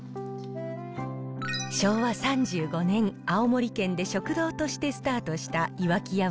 昭和３５年、青森県で食堂としてスタートした岩木屋は、